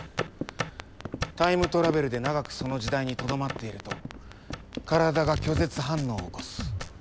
タイムトラベルで長くその時代にとどまっていると体が拒絶反応を起こす。